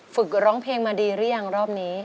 ฝึกร้องเพลงมาดีหรือยังรอบนี้